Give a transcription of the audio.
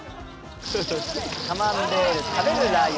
カマンベール食べるラー油